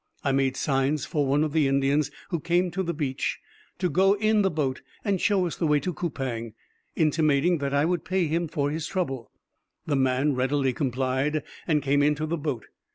I made signs for one of the Indians who came to the beach to go in the boat and show us the way to Coupang, intimating that I would pay him for his trouble; the man readily complied, and came into the boat.